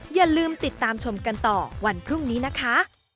อย่าลืมติดตามชมกันต่อวันพรุ่งนี้นะคะ